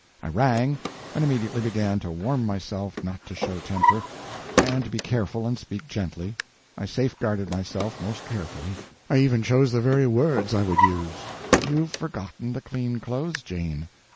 I rang; and immediately began to warn myself not to show temper, and to be careful and speak gently. I safe guarded myself most carefully. I even chose the very word I would use: "You've forgotten the clean clothes, Jane."